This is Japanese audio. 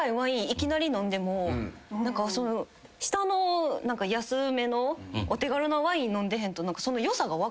いきなり飲んでも下の安めのお手軽なワイン飲んでへんと。